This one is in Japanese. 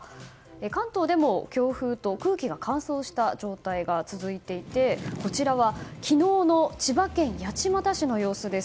関東でも強風と空気が乾燥した状態が続いていてこちらは昨日の千葉県八街市の様子です。